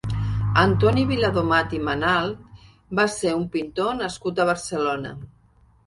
Antoni Viladomat i Manalt va ser un pintor nascut a Barcelona.